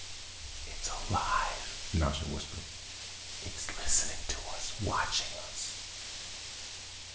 "It's alive," Nasha whispered. "It's listening to us, watching us."